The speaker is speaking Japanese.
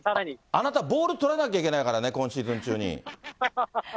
あなたボールとらなきゃいけないからね、今シーズン中に。